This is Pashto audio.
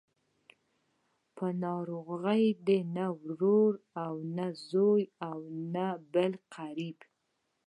په ناروغۍ دې نه ورور او نه زوی او نه بل قريب.